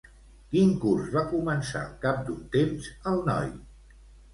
Quin curs va començar al cap d'un temps el noi?